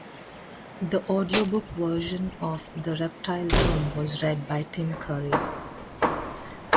The audiobook version of "The Reptile Room" was read by Tim Curry.